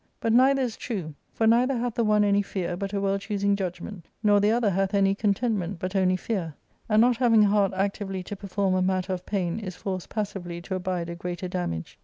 But neither is true, for neither hath the one any fear, but a well choosing judgment, nor the other hath any contentment, but only fear, and not having a heart actively to perform a matter of pain is forced passively to abide a greater damage.